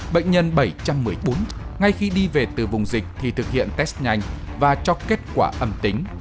bệnh nhân bảy trăm một mươi bốn ngay khi đi về từ vùng dịch thì thực hiện test nhanh và cho kết quả âm tính